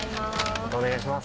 またお願いします。